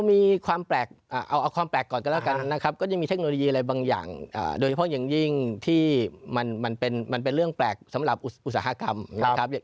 มีความเอาความแปลกก่อนก็แล้วกันนะครับก็จะมีเทคโนโลยีอะไรบางอย่างโดยเฉพาะอย่างยิ่งที่มันเป็นเรื่องแปลกสำหรับอุตสาหกรรมนะครับ